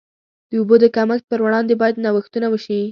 د اوبو د کمښت پر وړاندې باید نوښتونه وشي.